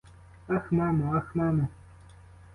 Ах, мамо, ах, мамо!